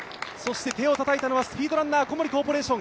手をたたいたのはスピードランナー、小森コーポレーション。